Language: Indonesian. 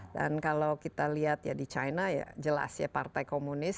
dan kalau kita lihat di china ya jelas ya partai komunis